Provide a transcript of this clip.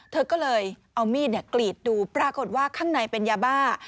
เธอก็เลยเอามีดกรีดดูปรากฏว่าข้างในเป็นยาบ้า